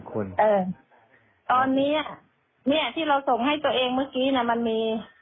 ตอนนี้เนี่ยที่เราส่งให้ตัวเองเมื่อกี้น่ะมันมี